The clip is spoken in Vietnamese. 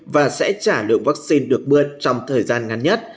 và sẽ trả lượng vaccine được mua trong thời gian ngắn nhất